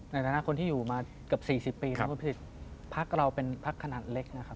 ในฐานะคนที่อยู่มาเกือบ๔๐ปีพักเราเป็นพักขนาดเล็กนะครับ